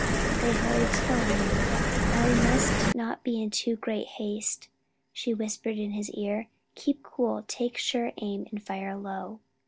They hurried to the landing. "Now we must not be in too great haste," she whispered in his ear; "keep cool, take sure aim, and fire low."